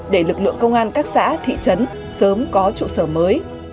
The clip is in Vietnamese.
để lực lượng công an các xã thị trấn sớm có trụ sở mới